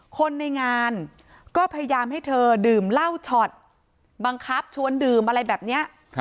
คนในงานก็พยายามให้เธอดื่มเหล้าช็อตบังคับชวนดื่มอะไรแบบนี้